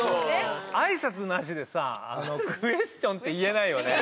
あいさつなしでさあの「クエステョン」って言えないよね。